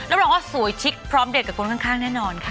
แล้วเราก็สวยชิคพร้อมเด็ดกับคนข้างแน่นอนค่ะ